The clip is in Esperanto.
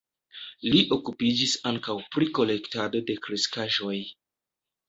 Li okupiĝis ankaŭ pri kolektado de kreskaĵoj.